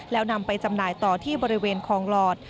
แล้วนำไปจำหน่ายต่อที่บริเวณคลองหลอด